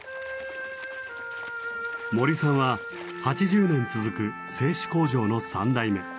森さんは８０年続く製紙工場の３代目。